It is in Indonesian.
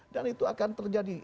dan itu akan terjadi